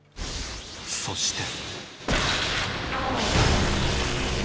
そして。